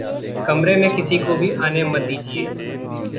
कमरे में किसी को भी आने मत दीजिए।